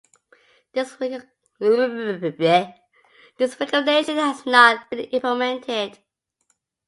This recommendation has not been implemented.